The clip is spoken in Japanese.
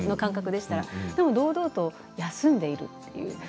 でも堂々と休んでいるんです。